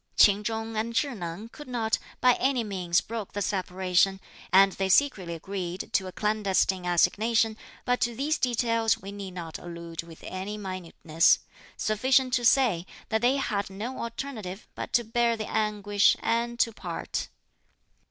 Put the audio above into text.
Ch'in Chung and Chih Neng could not, by any means, brook the separation, and they secretly agreed to a clandestine assignation; but to these details we need not allude with any minuteness; sufficient to say that they had no alternative but to bear the anguish and to part.